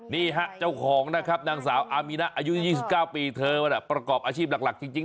นี่ฮะเจ้าของนะครับนางสาวอามีนะอายุ๒๙ปีเธอประกอบอาชีพหลักจริง